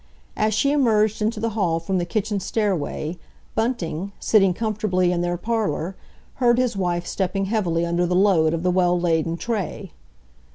As she emerged into the hall from the kitchen stairway, Bunting, sitting comfortably in their parlour, heard his wife stepping heavily under the load of the well laden tray.